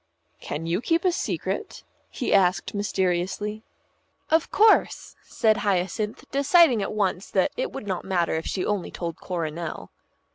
"Can you keep a secret?" he asked mysteriously. "Of course," said Hyacinth, deciding at once that it would not matter if she only told Coronel.